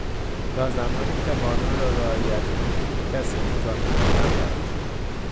تا زمانی که قانون را رعایت کنی کسی مزاحمت نخواهد شد.